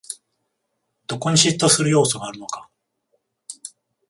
どこに嫉妬する要素があるのか